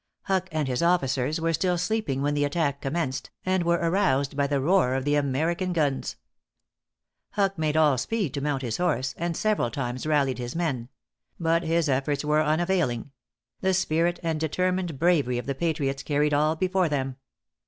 Huck and his officers were still sleeping when the attack commenced, and were aroused by the roar of the American guns. Huck made all speed to mount his horse, and several times rallied his men; but his efforts were unavailing: the spirit and determined bravery of the patriots carried all before them.